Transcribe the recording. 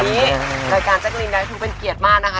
วันนี้รายการแจ๊กรีนได้ทุกเป็นเกียรติมากนะคะ